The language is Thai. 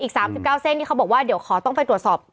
๓๙เส้นที่เขาบอกว่าเดี๋ยวขอต้องไปตรวจสอบ